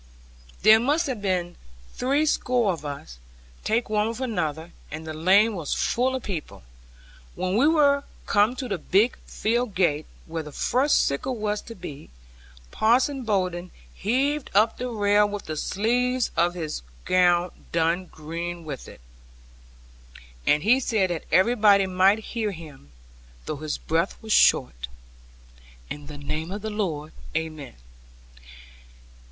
There must have been threescore of us, take one with another, and the lane was full of people. When we were come to the big field gate, where the first sickle was to be, Parson Bowden heaved up the rail with the sleeves of his gown done green with it; and he said that everybody might hear him, though his breath was short, 'In the name of the Lord, Amen!'